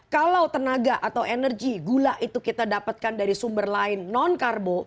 kalau tenaga atau energi gula itu kita dapatkan dari sumber lain non karbo